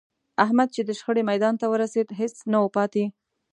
احمد چې د شخړې میدان ته ورسېد، هېڅ نه و پاتې